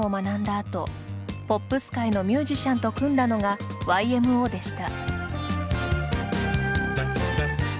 あとポップス界のミュージシャンと組んだのがＹＭＯでした。